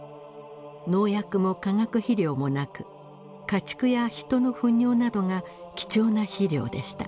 農薬も化学肥料もなく家畜や人の糞尿などが貴重な肥料でした。